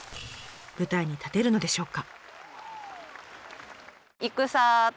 舞台に立てるのでしょうか？